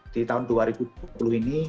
di tahun dua ribu dua puluh ini